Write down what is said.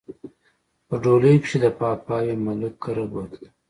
په ډولۍ کښې د پاپاوي ملک کره بوتله